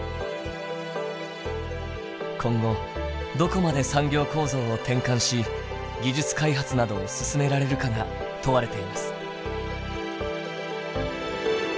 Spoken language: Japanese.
今後どこまで産業構造を転換し技術開発などを進められるかが問われています。